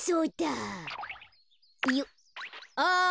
ああ。